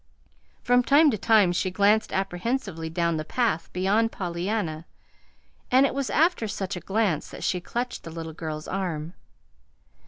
From time to time she glanced apprehensively down the path beyond Pollyanna, and it was after such a glance that she clutched the little girl's arm.